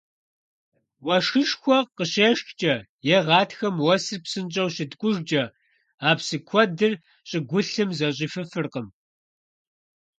Уэшхышхуэ къыщешхкӀэ е гъатхэм уэсыр псынщӀэу щыткӀужкӀэ а псы куэдыр щӀыгулъым зэщӀифыфыркъым.